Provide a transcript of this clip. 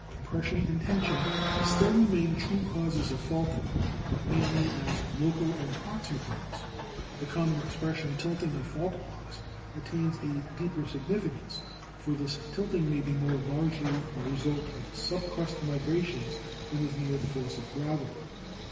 Compression and tension still remain true causes of faulting, but mainly as local and proximate ones. The common expression, tilting of fault blocks, attains a deeper significance, for this tilting may be more largely the result of subcrust mi grations than of mere force of gravity.